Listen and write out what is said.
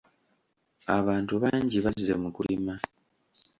Abantu bangi bazze mu kulima.